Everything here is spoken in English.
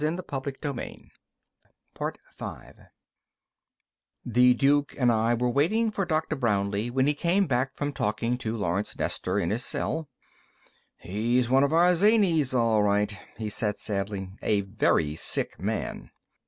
The Duke and I were waiting for Dr. Brownlee when he came back from talking to Lawrence Nestor in his cell. "He's one of our zanies, all right," he said sadly. "A very sick man."